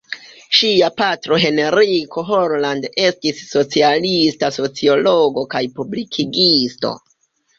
Ŝia patro Henriko Holland estis socialista sociologo kaj publikigisto.